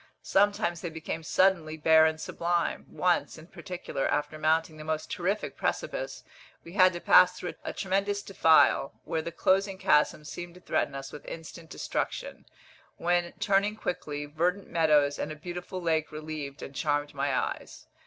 Sometimes they became suddenly bare and sublime. Once, in particular, after mounting the most terrific precipice, we had to pass through a tremendous defile, where the closing chasm seemed to threaten us with instant destruction, when, turning quickly, verdant meadows and a beautiful lake relieved and charmed my eyes.